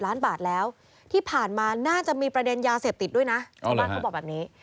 ล้านบาทแล้วที่ผ่านมาน่าจะมีประเด็นยาเสพติดด้วยนะชาวบ้านเขาบอกแบบนี้